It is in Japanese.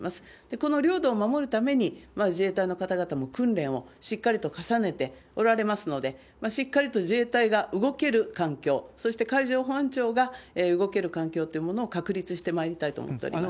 この領土を守るために、自衛隊の方々も訓練をしっかりと重ねておられますので、しっかりと自衛隊が動ける環境、そして海上保安庁が動ける環境っていうものを確立してまいりたいと思っております。